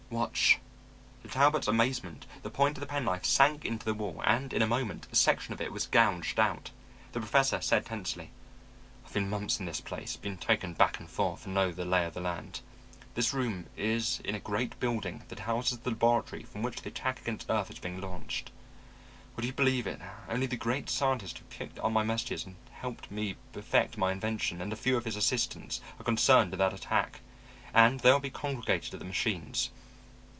Watch." To Talbot's amazement the point of the penknife sank into the wall and in a moment a section of it was gouged out. The professor said tensely, "I've been months in this place, been taken back and forth, and know the lay of the land. This room is in a great building that houses the laboratory from which the attack against earth is being launched. Would you believe it, only the great scientist who picked up my messages and helped me perfect my invention, and a few of his assistants, are concerned in that attack, and they will be congregated at the machines.